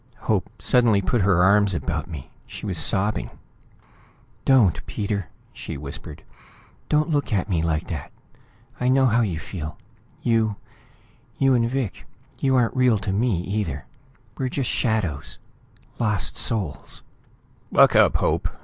Hope suddenly put her arms about me. She was sobbing. "Don't, Peter!" she whispered. "Don't look at me like that. I know how you feel. You you and Vic you aren't real to me, either! We're just shadows lost souls...." "Buck up, Hope!"